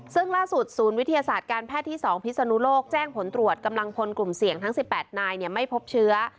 ซึ่งล่าสุดศูนย์วิทยาศาสตร์การแพทย์ที่๒พิศนุโลกแจ้งผลตรวจกำลังพลกลุ่มเสี่ยงทั้ง๑๘นายไม่พบเชื้อ